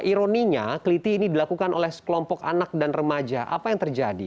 ironinya keliti ini dilakukan oleh sekelompok anak dan remaja apa yang terjadi